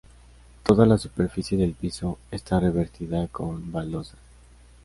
Todo la superficie del piso está revertida con baldosas.